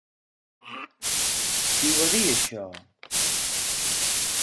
Qui ho va dir això?